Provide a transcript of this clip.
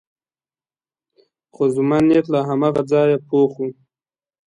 خو زما نیت له هماغه ځایه پخ و.